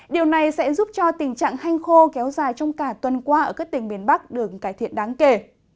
điều này sẽ giúp cho tình trạng hanh khô kéo dài trong cả tuần qua ở các tỉnh miền bắc được cải thiện đáng kể